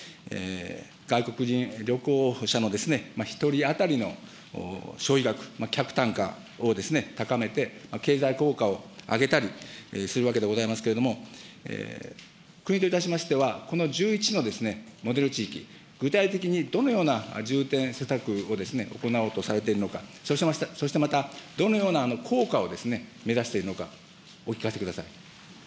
外国人旅行者の１人当たりの消費額、客単価を高めて、経済効果を上げたりするわけでございますけれども、国といたしましては、この１１のモデル地域、具体的にどのような重点施策を行おうとされているのか、そしてまたどのような効果を目指しているのか、お聞かせください。